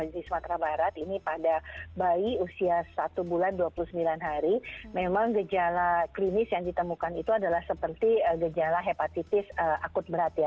di sumatera barat ini pada bayi usia satu bulan dua puluh sembilan hari memang gejala klinis yang ditemukan itu adalah seperti gejala hepatitis akut berat ya